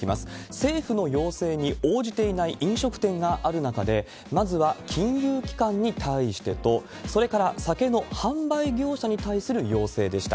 政府の要請に応じていない飲食店がある中で、まずは金融機関に対してと、それと、酒の販売業者に対する要請でした。